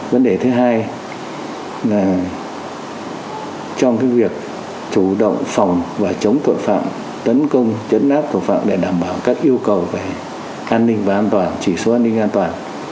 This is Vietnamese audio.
vấn đề thứ hai là trong việc chủ động phòng và chống tội phạm tấn công chấn áp tội phạm để đảm bảo các yêu cầu về an ninh và an toàn chỉ số an ninh an toàn